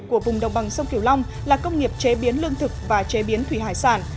của vùng đồng bằng sông kiểu long là công nghiệp chế biến lương thực và chế biến thủy hải sản